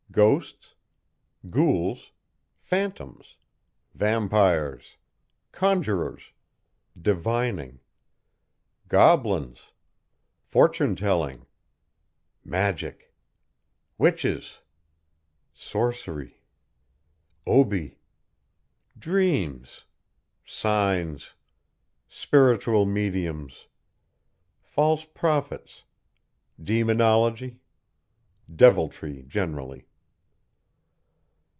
GHOSTS. GHOULS. PHANTOMS. VAMPIRES. CONJURORS. DIVINING. GOBLINS. FORTUNE TELLING. MAGIC. WITCHES. SORCERY. OBI. DREAMS. SIGNS. SPIRITUAL MEDIUMS. FALSE PROPHETS. DEMONOLOGY. DEVILTRY GENERALLY.